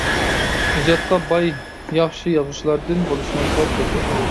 ئىجادقا باي ياخشى يازغۇچىلاردىن بولۇشىڭىزغا تىلەكداشمەن.